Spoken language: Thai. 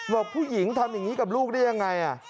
บอกผู้หญิงทำอย่างนี้กับลูกได้ยังไง